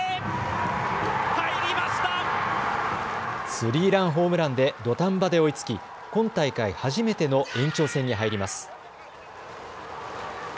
スリーランホームランで土壇場で追いつき、今大会初めての延長戦に入ります。